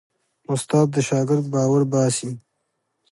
استاد د شاګرد باور باسي.